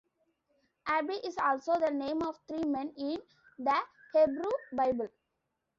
"Abdi is also the name of three men in the Hebrew Bible"